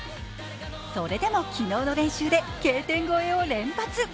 それでも昨日の練習でＫ点越えを連発。